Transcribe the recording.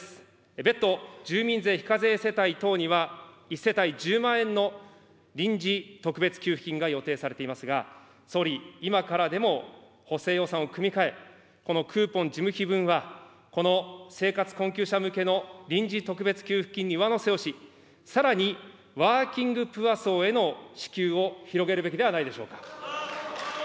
別途、住民税非課税世帯等には１世帯１０万円の臨時特別給付金が予定されていますが、総理、今からでも補正予算を組み替え、このクーポン事務費分は、この生活困窮者向けの臨時特別給付金に上乗せをし、さらにワーキングプア層への支給を広げるべきではないでしょうか。